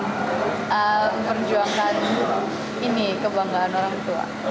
memperjuangkan ini kebanggaan orang tua